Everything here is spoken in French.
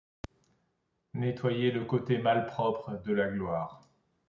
Nettoyer le côté malpropre de la gloire